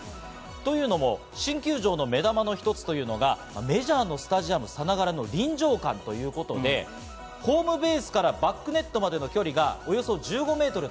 というのも新球場の目玉の一つというのが、メジャーのスタジアムさながらの臨場感ということで、ホームベースからバックネットまでの距離がおよそ１５メートル。